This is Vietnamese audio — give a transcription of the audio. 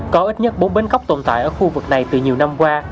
có ít nhất bốn bến cóc tồn tại ở khu vực này từ nhiều năm qua